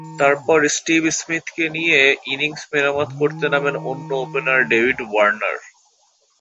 তারপর স্টিভ স্মিথকে নিয়ে ইনিংস মেরামত করতে নামেন অন্য ওপেনার ডেভিড ওয়ার্নার।